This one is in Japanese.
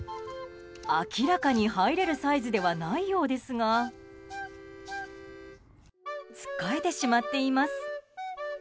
明らかに入れるサイズではないようですがつっかえてしまっています。